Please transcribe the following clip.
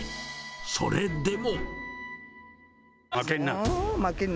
それでも。